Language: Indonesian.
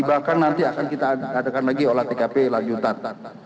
bahkan nanti akan kita adakan lagi olah tkp lanjutan